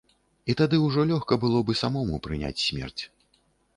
І тады ўжо лёгка было б і самому прыняць смерць.